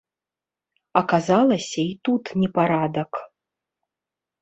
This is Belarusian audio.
Аказалася, і тут непарадак.